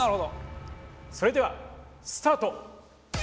それではスタート！